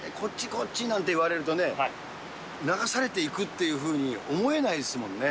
こっちなんて言われるとね、流されていくっていうふうに思えないですもんね。